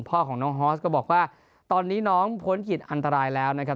พ่อของน้องฮอสก็บอกว่าตอนนี้น้องพ้นขีดอันตรายแล้วนะครับ